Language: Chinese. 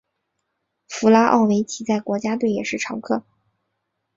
弗拉奥维奇在国家队也是常客。